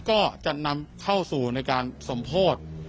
ก็จะนำเข้าสู่ในการสมโพธิ